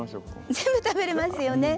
全部食べれますよね。